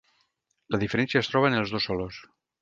La diferència es troba en els dos solos.